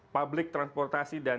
publik transportasi dan